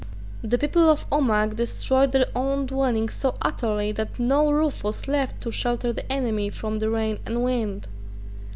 The people of Omagh destroyed their own dwellings so utterly that no roof was left to shelter the enemy from the rain and wind.